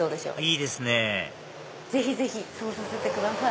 いいですねぇぜひぜひそうさせてください！